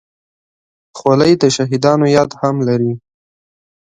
خولۍ د شهیدانو یاد هم لري.